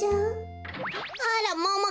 あらもも